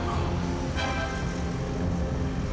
karena mereka malah merasa